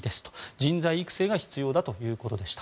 人材育成が必要だということでした。